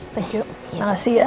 terima kasih ya